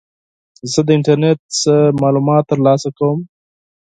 زه د انټرنیټ څخه معلومات ترلاسه کوم.